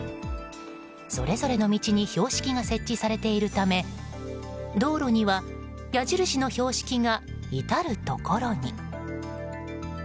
それぞれの道に標識が設置されているため道路には矢印の標識が至るところに。